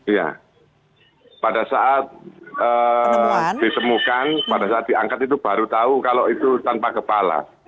ya pada saat ditemukan pada saat diangkat itu baru tahu kalau itu tanpa kepala